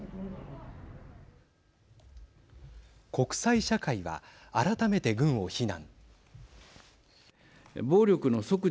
国際社会は改めて軍を非難。